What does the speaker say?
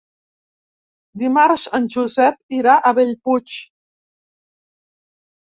Dimarts en Josep irà a Bellpuig.